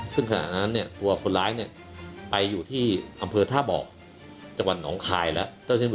ซึ่งขณะนั้นตัวคนร้ายไปอยู่ที่อำเภอท่าบอกจังหวัดหนองคายแล้ว